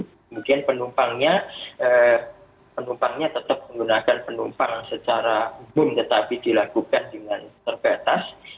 kemudian penumpangnya penumpangnya tetap menggunakan penumpang secara umum tetapi dilakukan dengan terbatas